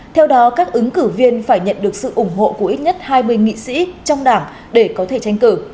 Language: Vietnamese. theo đó các ứng cử viên phải nhận được sự ủng hộ của ít nhất hai mươi nghị sĩ trong đảng để có thể tranh cử